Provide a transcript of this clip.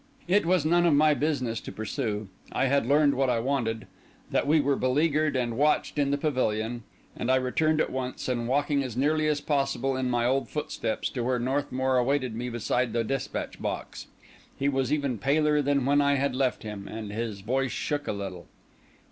It was none of my business to pursue; I had learned what I wanted—that we were beleaguered and watched in the pavilion; and I returned at once, and walking as nearly as possible in my old footsteps, to where Northmour awaited me beside the despatch box. He was even paler than when I had left him, and his voice shook a little.